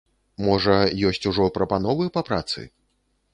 Можа, ёсць ужо прапановы па працы?